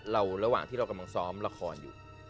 ระหว่างที่เรากำลังซ้อมละครอยู่